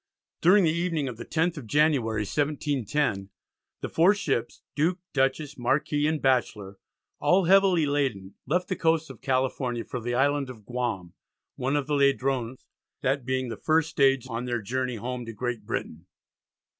During the evening of the 10th of January, 1710, the four ships Duke, Dutchess, Marquis and Batchelor, all heavily laden, left the coast of California for the Island of Guam, one of the Ladrones, that being the first stage on their journey home to Great Britain.